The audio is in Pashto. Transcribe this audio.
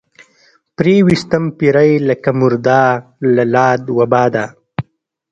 پرې ويستم پيرۍ لکه مرده لۀ لاد وباده